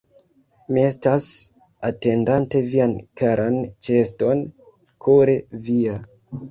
Mi estas, atendante vian karan ĉeeston, kore via.